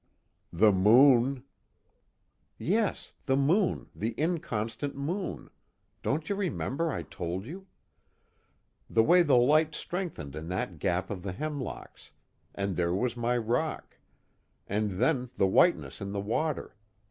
"The moon " "Yes, 'the moon, the inconstant moon' don't you remember I told you? The way the light strengthened in that gap of the hemlocks, and there was my rock, and then the whiteness in the water.